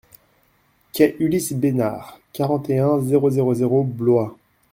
Quai Ulysse Besnard, quarante et un, zéro zéro zéro Blois